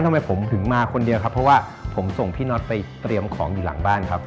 ทำไมผมถึงมาคนเดียวครับเพราะว่าผมส่งพี่น็อตไปเตรียมของอยู่หลังบ้านครับ